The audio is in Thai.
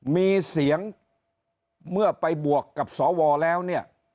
มีเสียงเมื่อไปบวกกับสวแล้วเนี่ย